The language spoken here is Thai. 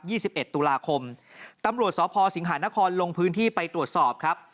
สิบเอ็ดตุลาคมตำรวจสพสิงหานครลงพื้นที่ไปตรวจสอบครับ